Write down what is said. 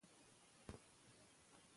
سپورت د مفصلونو خوندي ساتلو وسیله ده.